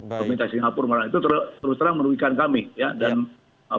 pemerintah singapura itu terus terang merugikan kami ya